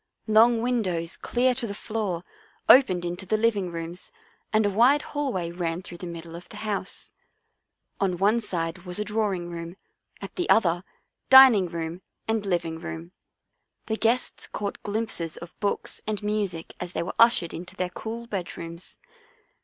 Long windows clear to the floor opened into the living rooms and a wide hallway ran through the middle of the house. On one side was a drawing room, at the other, dining room and living room. The guests caught glimpses of books and music as they were ushered into their cool bedrooms.